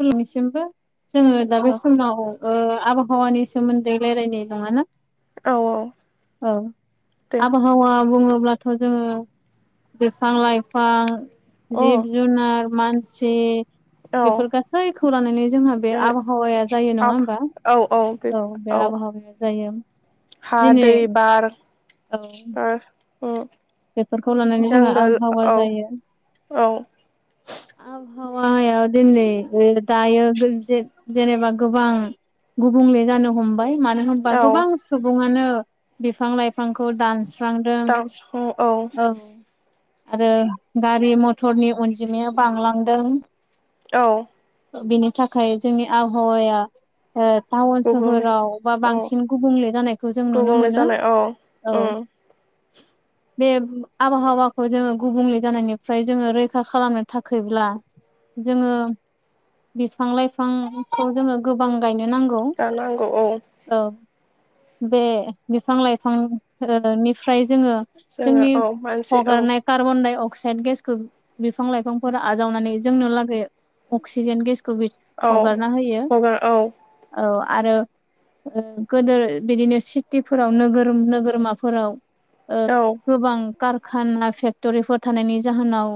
खुलुमबाय नोंनिसिमबो जोङो दा औ बे समाव आबहावानि सोमोन्दै रायलायनाय नङाना? औ औ दे आबहावा बुङो अब्लाथ' जोङो बिफां-लाइफां अ जिब-जुनार मानसि औ बेफोर गासैखौ लानानै जोंहा बे आबहावाया जायो नङा आब होनबा औ बे आबहावा जायो हा दिनै दै बार औ बेफोरखौ लानानै जोंहा जांगोल आबहावा औ जायो। औ [unintelligible] गुबुंले जानो हमबाय। मानो होनबा औ गोबां सुबुङानो बिफां-लाइफांखौ दानस्रांदों दास औ आरो गारि-मथरनि अनजिमाया बांलांदों औ बेनि थाखाय जोंनि आबहावाया टाउन गुबुंले सोहोराव बा औ बांसिन गुबुंले जानायखौ जों नुनो मोनो। औ अह [inaudible] बे आबहावाखौ जोङो गुबुंले जानायनिफ्राय जोङो रैखा खालामनो थाखायब्ला जोङो बिफां-लाइफांखौ जोङो गोबां गायनो नांगौ दा नांगौ औ औ बे बिफां-लाइफांनि फ्राय जोङो जोङो जोंनि औ मानसि औ हगारनाय कार्बनडाइ-अकसाइड अक्साइड गेसखौ बिफां लाइफांफोर आजावनानै जोंनो लागै अक्सिजेन गेस खौ औ हगारना होयो हगार औ औ आरो गोदो बिदिनो सिटिफोराव नोगोर- नोगोरमाफोराव औ गोबां कारखाना फेक्ट'रिफोर थानायनि जाहोनाव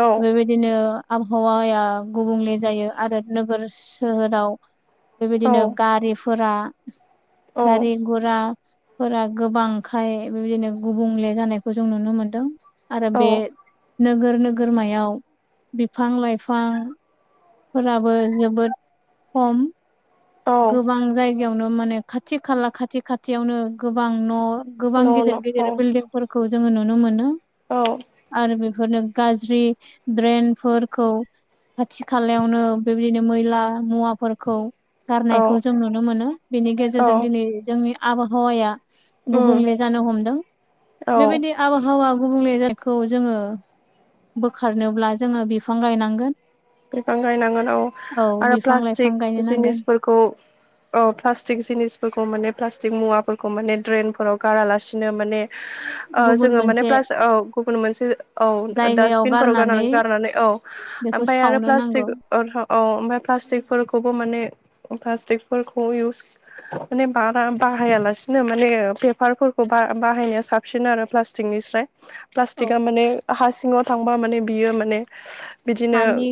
औ बेबायदिनो आबहावाया गुबुंले जायो आरो नोगोर सोहोराव बेबायदिनो औ गारिफोरा गारि गरा फोरा गोबांखाय बेबायदिनो गुबुंले जानायखौ जों नुनो मोनदों। आरो औ बे नोगोर नोगोरमायाव बिफां- लाइफां फोराबो जोबोद खम औ गोबां जायगा यावनो माने खाथि खाला खाथि- खाथियावनो गोबां न' गोबां न' न' औ गिदिर-गिदिर बिल्डिंफोरखौ जोङो नुनो मोनो औ आरो बेफोरनो गाज्रि ड्रेनफोरखौ खाथि खालायावनो बेबायदिनो मैला मुवाफोरखौ औ गारनायखौ जों नुनो मोनो बेनि गेजेरजों दिनै जोंनि आबहावाया गुबुंले औ जानो हमदों औ बेबायदि आबहावा गुबुंले जा खौ जोङो बोखारनोब्ला जोङो बिफां गायनांगोन। बिफां गायनांगोनाव औ आरो बिफां लाइफां प्लास्टिक गायनो नांगोन जिनिसफोरखौ औ प्लास्टिक जिनिसफोरखौ माने प्लास्टिक मुवाफोरखौ माने ड्रेन फोराव गारालासिनो माने [inaudible] ओ जोङो माने मोनसे प्लास औ गुबुन मोनसे औ जायगायाव डासटबिनफोराव गार गारनानै गारनानै औ बेखौ ओमफ्राय आरो सावनो नांगौ प्लास्टिक औ ओमफ्राय प्लास्टिकफोरखौबो माने प्लास्टिकफोरखौ इउस माने बारा बाहायालासिनो माने पेपारफोरखौ बा-बाहायनाया साबसिन आरो प्लास्टिकनि स्राय। औ प्लास्टिकआ माने हा सिङाव थांबा माने बियो माने बिदिनो हानि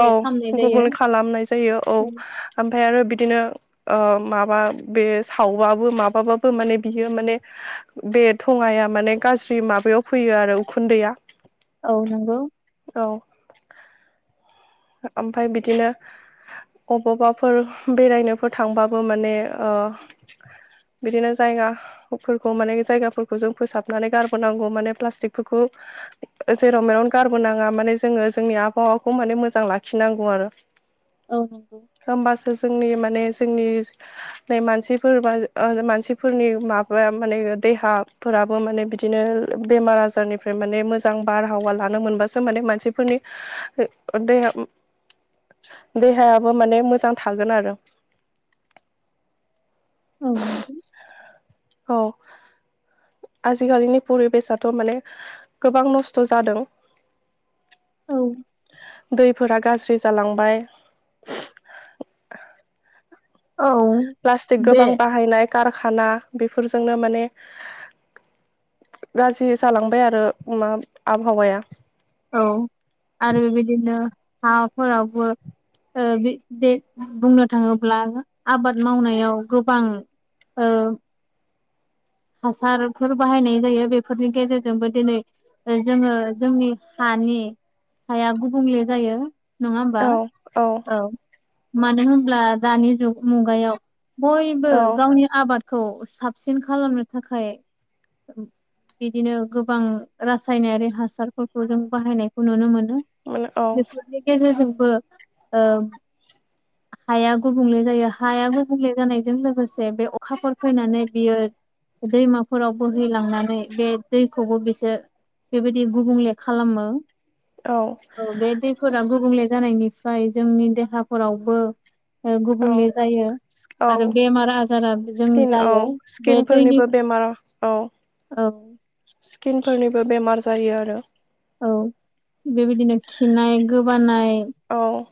औ खालामनाय जायो गुबेंले खालामनाय जायो औ ओम फाय आरो बिदिनो माबा बे सावबाबो माबाबाबो माने बियो माने बे थङाया माने गाज्रि माबायाव फैयो आरो उखुन्दैया औ नंगौ औ ओमफाय बिदिनो अबावबाफोर बेरायनोफोर थांबाबो माने ओ बिदिनो जायगाफोरखौ माने जायगाफोरखौ जों फोसाबनानै गारबोनांगौ माने प्लास्टिकफोरखौ जेराव मेराव गारबो नाङा माने जोंङो जोंनि आबहावाखौ माने मोजां लाखिनांगौ आरो। औ नंगौ होमबासो जोंनि माने जोंनि मानसिफोर बा ओ मानसिफोरनि माबा माने देहा फो राबो माने बिदिनो बेमार आजारनिफ्राय माने मोजां बारहावा लानो मोनबासो माने मानसिफोरनि बे देहा-देहायाबो माने मोजां थागोन आरो। औ औ आजिखालिनि परिबेसाथ' माने गोबां नस्थ' जादों। औ दैफोरा गाज्रि जालांबाय। औ प्लास्टिक बे गोबां बाहायनाय कारखाना बेफोरजोंनो माने गाज्रि जालांबाय आरो मा आबहावाया। औ आरो बेदिनो हाफोरावबो ओ बे बुंनो थाङोब्ला आबाद मावनायाव गोबां औ हासारफोर बाहायनाय जायो बेफोरनि गेजेरजोंबो दिनै जोंङो जोंनि हा नि हाया गुबुंले जायो। नङा होमबा औ मानो होनब्ला दानि जुग मुगायाव बयबो औ गावनि आबादखौ साबसिन खालामनो थाखाय बिदिनो गोबां रासायनारि हासारफोरखौ जों बाहायनायखौ नुनो मो नो माने औ बेफोरनि गेजेरजोंबो ओ हाया गुबुंले जायो हाया गुबुंले जानायजों लोगोसे बे अखाफोर फैनानै बियो दैमाफोराव बोहैलांनानै बे दैखौबो बिसोर बेबायदि गुबुंले खालामो। औ बे दैफोरा गुबुंले जानायनिफ्राय जोंनि देहाफोरावबो ओ औ गुबुंले जायो। आरो औ बेमार आजारा जों स्किन जायो औ बे दैनि स्किनफोरनिबो बेमार औ औ स्किनफोरनिबो बेमार जायो आरो। औ बेबायदिनो खिनाय गोबानाय औ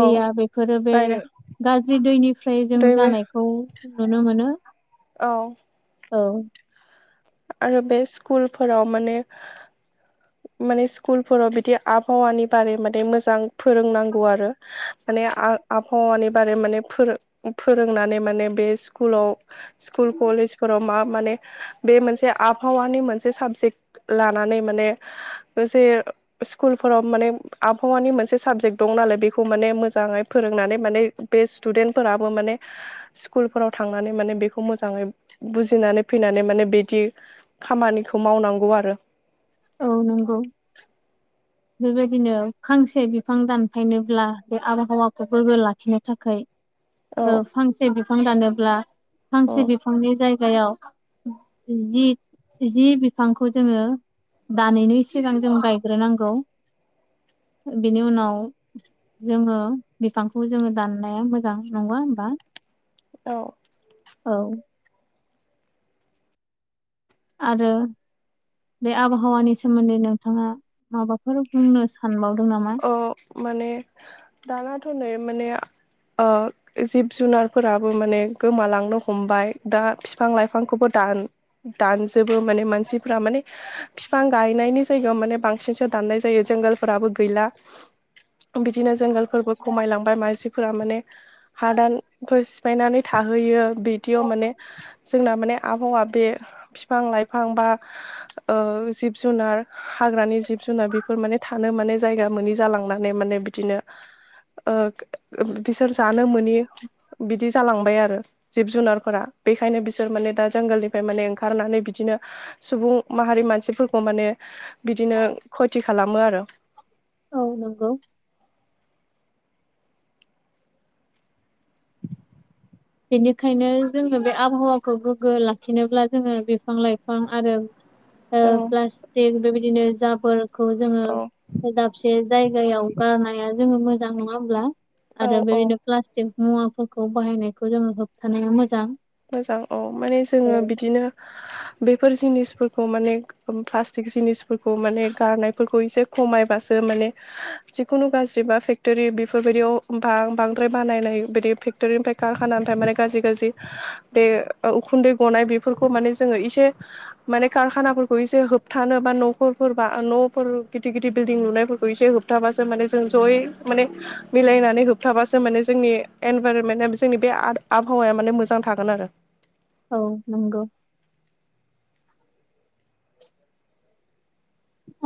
औ बेफोरो बे आरो गाज्रि दैनिफ्राय जों दै बे जानायखौ नुनो मो नो। औ औ आरो बे स्कुलफोराव माने माने स्कुलफोराव बिदि आबहावानि बारै माने मोजां फोरोंनांगौ आरो माने आ-आबहावानि बारै माने फोरों-फोरोंनानै माने बे स्कुलाव स्कुल कलेजफोराव मा माने बे मोनसे से आबहावानि मोनसे साबजेक्ट लानानै माने जे स्कुलफोराव माने आबहावानि मोनसे साबजेक्ट दं नालाय बेखौ माने मोजाङै फोरोंनानै माने बे स्टुडेन्ट फोरा माने स्कुलफोराव थांनानै माने बेखौ मोजाङै बुजिनानै फैनानै माने बिदि खामानिखौ मावनांगौ आरो औ नंगौ। बेबायदिनो फांसे बिफां दानफायनोब्ला बे आबहावाखौ गोग्गो लाखिनो थाखाय औ ओ फांसे बिफां दानोब्ला औ फांसे बिफांनि जाय जायगायाव जि जि बिफांखौ जोङो दानैनि सिगां जों गायग्रोनांगौ बेनि उनाव जोङो बिफांखौ जोङो दाननाया मोजां नङा होमबा। औ औ आरो बे आबहावानि सोमोन्दै नोंथाङा माबाफोर बुंनो सानबावदों नामा? औ माने दानाथ' नै माने ओ जिब जुनारफोराबो माने गोमालांनो हमबाय दा बिफां लाइफांखौबो दा दानजोबो माने मानसिफ माने बिफां गायनायनि जायगायाव माने बांसिनसो दान दानाय जायो जंगलफोराबो गैला बेदिनो जंगलफोरबो खमायलांबाय मानसि फोर माने हादानखौ सिफायनानै थाहैयो बिदियाव माने जोंना माने आबहावा बे बिफां लाइफां बा ओ जिब जुनार हाग्रानि जिब जुनार बेफोर माने थानो माने जायगा जालांनानै माने बिदिनो ओ बिसोर जानो मोनि बिदि जालांबाय आरो जिब जुनारफोरा। बेखायनो बिसोर माने दा जोंगोलनिफ्राय माने ओंखारनानै बिदिनो सुबुं माहारि मानसिफोरखौ माने बिदिनो खथि खालामो आरो औ नंगौ। बेनिखायनो जोङो बे आबहावाखौ गोग्गो लाखिनोब्ला जोङो बिफां लाइफां आरो औ प्लास्टिक बेबायदिनो जाफोर खौ औ जोङो दाबसे जायगायाव गारनाया जोङो मोजां नङा होमब्ला। औ आरो औ बेबायनो प्लास्टिक मुवाफोरखौ बाहायनायखौ जोङो होबथानाया मोजां। मोजां औ माने जोङो बिदिनो बेफोर जिनिसफोरखौ माने प्लास्टिक जिनिसफोरखौ माने गारनायफोरखौ एसे खमायबासो माने जिखुनु गाज्रि बा फेक्टरि बेफोरबायदियाव बांद्राय बानायनाय बायदि फेक्टरनिफ्राय खुराना निफ्राय ओम माने गाज्रि गाज्रि बे उखुन्दै गनाय बेफोरखौ माने जोङो एसे माने कारखानाफोरखौ एसे होबथानो बा न'खरफोरबा न'फोर गिदिर गिदिर बिल्डिं लुनायफोरखौ एसे होबथाबासो माने जों जयै माने मिलायनानै होबथाबासो माने जोंनि एनभाररनमेन्टआ जोंनि बे आबहावाया माने मोजां मोजां थागोन आरो औ नंगौ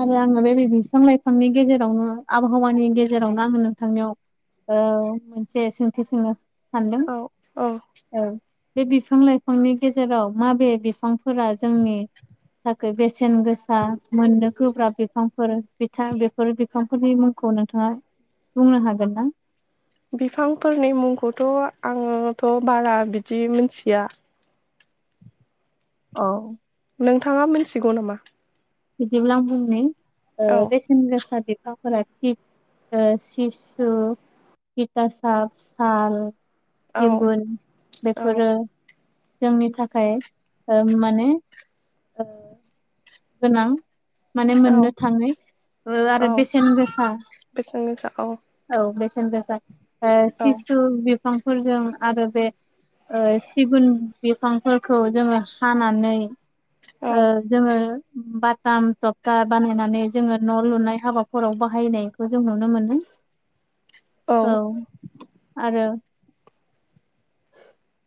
आरो आङो बे बिफां लाइफांनि गेजेरावनो आबहावानि गेजेरावनो आङो नोंथांनियाव ओ मोनसे सोंथि सोंनो सानदों औ औ औ बे बिफां लाइफांनि गेजेराव माबे बिफांफोरा जोंनि थाखाय बेसेन गोसा मोनदों। गोब्राब बिफांफोर बिथां बेफोर बिफांफोरनि मुंखौ नोंथाङा बुंनो हागोन ना? बिफांफोरनि मुंखौथ' आङोथ' बारा बिदि मोनथिया। औ नोंथाङा मिथिगौ नामा? बिदिब्ला आं बुंनि ओ औ बेसेन गोसा बि फोरा सिसु तितासाब साल औ सिगुन औ बेफोरो जोंनि थाखाय ओ माने ओ गोनां माने मोननो औ थाङै ओ औ आरो बेसेन गोसा बेसेन गोसा औ औ बेसेन गोसा ओ औ सिसु बिफांफोरजों आरो बे ओ सिगुन बिफांफोरखौ जोङो हानानै औ ओ जोङो बाथाम थबखा बानायनानै जोङो न' लुनाय हाबाफोराव बाहायनायखौ जों नुनो मोनो औ आरो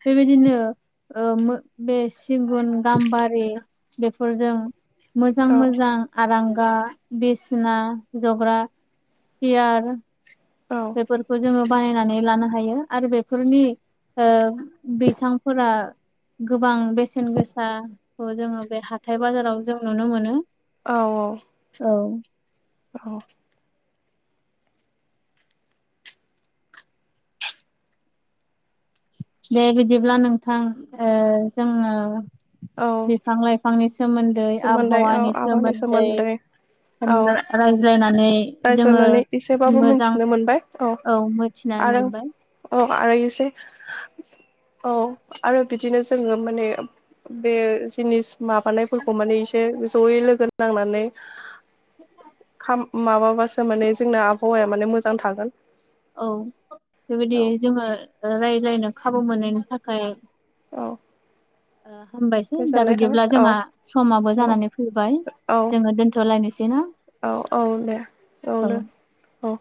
बेबायदिनो ओ बे सिगुन गाम्बारि बेफोरजों मोजां औ मोजां आरां बिसिना जग्रा सियार बेफोरखौ जोङो बानायनानै लानो हायो आरो बेफोरनि ओ बैसांफोरा गोबां बेसेन गोसाखौ जोङो बे हाथाय बाजाराव जों नुनो मोनो औ औ औ औ दे बिदिब्ला नोंथां ओ जोङो औ बिफां लाइफांनि सोमोन्दै सोमोन्दै औ आबहावानि आबादनि सोमोन्दै औ रायज्लायनानै जोङो रायज्लायनानै एसेबाबो मोजां मिथिनो मोनबाय औ मिथिनाय मोनबाय अ आरोसे औ आरो बिदिनो जोङो माने बे जिनिस माबानाय माने इसोर जयै लोगो नांनानै [unintelligible] खाम माबाबासो माने जोंना आबहावाया माने मोजां थागोन औ बेबायदि औ जोङो रायज्लायनो खाबु मोननायनि थाखाय औ ओ हामबायसै दा गोजोननाय थाबाय बिदिब्ला औ जोंहा समाबो औ जानानै फैबाय औ जोङो दोनथ'लायनोसै ना औ औ दे औ औनो औ